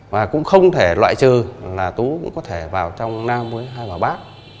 và cũng không thể loại trừ là tú cũng có thể vào trong nam với hai bà bác